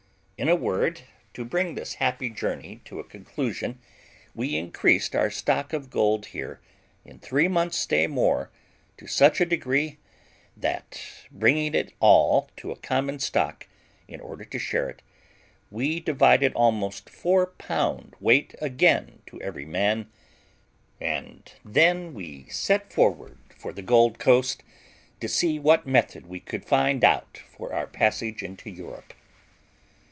In a word, to bring this happy journey to a conclusion, we increased our stock of gold here, in three months' stay more, to such a degree that, bringing it all to a common stock, in order to share it, we divided almost four pound weight again to every man; and then we set forward for the Gold Coast, to see what method we could find out for our passage into Europe.